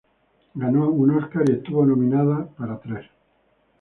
Ganó un Oscar y estuvo nominada para tres.